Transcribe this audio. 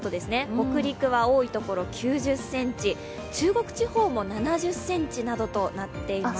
北陸は多いところで９０ｃｍ、中国地方も７０ｃｍなどどなっています。